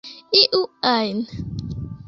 iu ajn